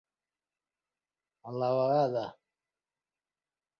A la vegada.